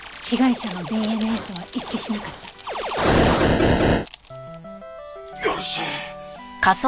被害者のＤＮＡとは一致しなかった。